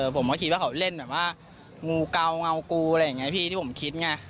ผมก็คิดว่าเขาเล่นแบบว่างูเกาเงากูอะไรอย่างนี้พี่ที่ผมคิดไง